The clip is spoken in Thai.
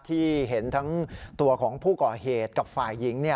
ที่เห็นทั้งตัวของผู้ก่อเหตุกับฝ่ายหญิง